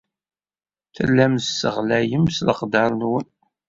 Tellam tesseɣlayem s leqder-nwen.